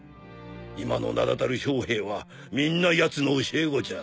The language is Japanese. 今の名だたる将兵はみんなやつの教え子じゃ。